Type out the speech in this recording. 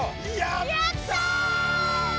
やった！